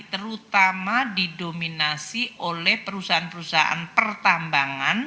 terutama didominasi oleh perusahaan perusahaan pertambangan